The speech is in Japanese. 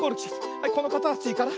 はいこのかたちから。